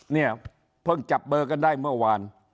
เนี่ยเพิ่งจับเบอร์กันได้เมื่อวาน